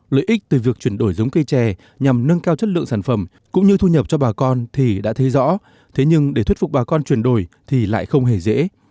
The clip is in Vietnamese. lợi ích từ việc chuyển đổi giống cây trè nhằm nâng cao chất lượng sản phẩm cũng như thu nhập cho bà con thì đã thấy rõ thế nhưng để thuyết phục bà con chuyển đổi thì lại không hề dễ